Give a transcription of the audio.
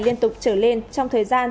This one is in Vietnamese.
liên tục trở lên trong thời gian